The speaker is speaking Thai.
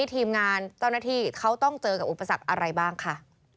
ทีมงานเจ้าหน้าที่เขาต้องเจอกับอุปสรรคอะไรบ้างค่ะ